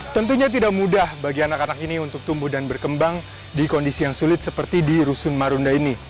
tentunya tidak mudah bagi anak anak ini untuk tumbuh dan berkembang di kondisi yang sulit seperti di rusun marunda ini